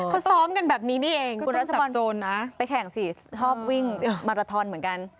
เขาซ้อมกันแบบนี้นี่เองคุณรัชพรนะไปแข่งสิชอบวิ่งมาราทอนเหมือนกัน